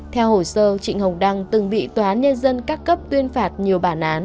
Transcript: theo hồ sơ trịnh hồng đăng từng bị tòa án nhân dân các cấp tuyên phạt nhiều bản án